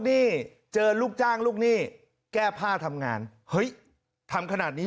นี่เจอลูกจ้างลูกหนี้แก้ผ้าทำงานเฮ้ยทำขนาดนี้